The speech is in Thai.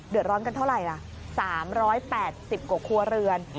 เดือดร้อนกันเท่าไหร่ล่ะ๓๘๐กว่าครัวเรือน